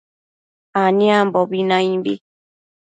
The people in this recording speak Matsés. aniambobi naimbi